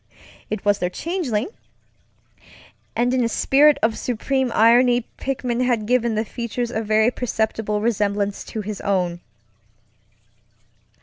It was their changelingŌĆöand in a spirit of supreme irony Pickman had given the features a very perceptible resemblance to his own.